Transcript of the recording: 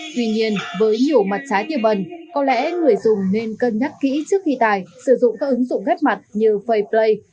tuy nhiên với nhiều mặt trái tiêu bẩn có lẽ người dùng nên cân nhắc kỹ trước khi tài sử dụng các ứng dụng ghép mặt như faceplay